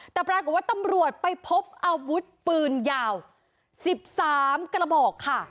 แต่ปรากฏว่าตำรวจไปพบอาวุธปืนยาว๑๓กระบอกค่ะ